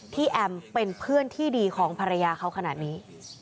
แอมเป็นเพื่อนที่ดีของภรรยาเขาขนาดนี้